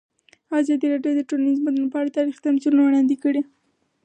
ازادي راډیو د ټولنیز بدلون په اړه تاریخي تمثیلونه وړاندې کړي.